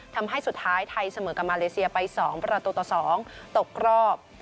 ทำให้สุดท้ายไทยเสมอกับมาเลเซียไป๒ประตูต่อ๒ตกรอบ